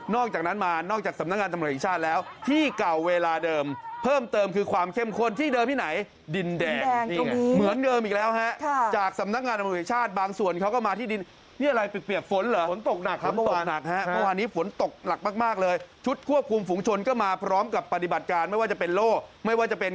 นอกจากนั้นมานอกจากสำนักงานธรรมชาติแล้ว